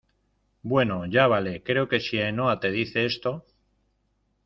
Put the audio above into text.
bueno, ya vale. creo que si Ainhoa te dice esto